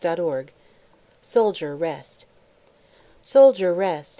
COWPER SOLDIER, REST "Soldier, rest!